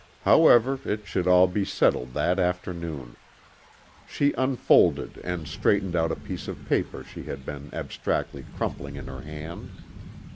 However, it should all be settled that afternoon. She unfolded and straightened out a piece of paper she had been abstractedly crumpling in her hand.